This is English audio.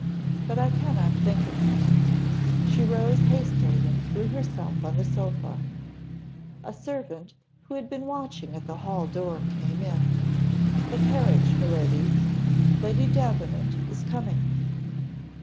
But I cannot think of it;" she rose hastily, and threw herself on the sofa. A servant, who had been watching at the hall door, came in "The carriage, my lady! Lady Davenant is coming."